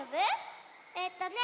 えっとね